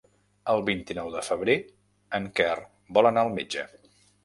El vint-i-nou de febrer en Quer vol anar al metge.